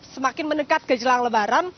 semakin meningkat ke jelang lebaran